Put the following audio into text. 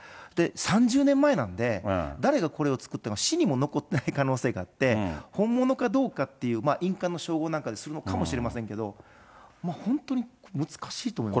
３０年前なんで、誰がこれを作ったのか、市にも残ってない可能性があって、本物かどうかっていう、印鑑の照合なんかでするのかもしれませんけど、本当に難しいと思います。